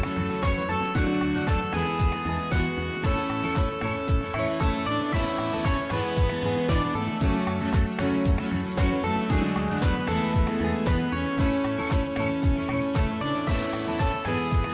จับตาเตือนภัยในค่ำคืนนี้นะครับ